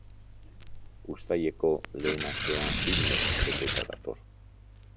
Uztaileko lehen astea filmez beteta dator.